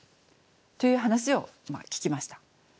という話を聞きました。